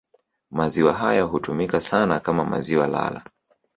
Maziwa hayo hutumika sana kama maziwa lala